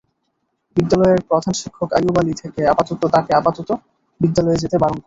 বিদ্যালয়ের প্রধান শিক্ষক আইয়ুব আলী তাকে আপাতত বিদ্যালয়ে যেতে বারণ করেন।